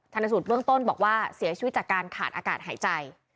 สูตรเบื้องต้นบอกว่าเสียชีวิตจากการขาดอากาศหายใจ